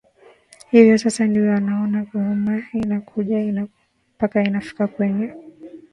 hivyo sasa ndio unaona gormahia inakuja inainuka mpaka inafika kwenye